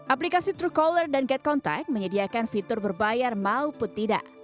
aplikasi true color dan get contact menyediakan fitur berbayar maupun tidak